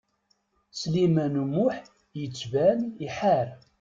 Sliman U Muḥ yettban iḥar.